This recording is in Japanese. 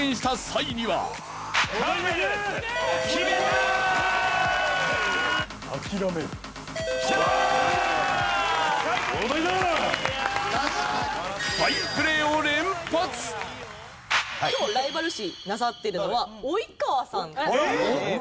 今日ライバル視なさっているのは及川さんという事で。